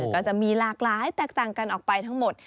ก็จะมีหลากหลายแตกต่างกันออกไปทั้งหมด